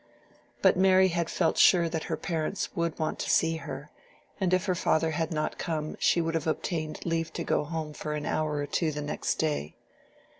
But Mary had felt sure that her parents would want to see her, and if her father had not come, she would have obtained leave to go home for an hour or two the next day.